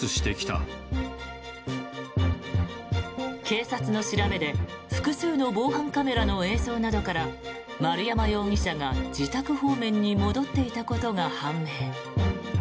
警察の調べで複数の防犯カメラの映像などから丸山容疑者が自宅方面に戻っていたことが判明。